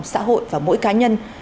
xã hội và mỗi cá nhân